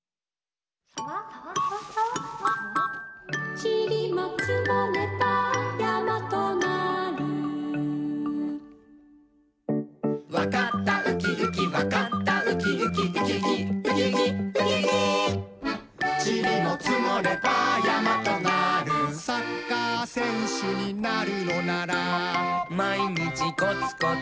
サワサワサワサワちりもつもればやまとなるわかったウキウキわかったウキウキウキウキウキウキウキウキちりもつもればやまとなるサッカーせんしゅになるのならまいにちコツコツ！